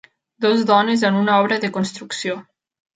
Dues dones en una obra de construcció.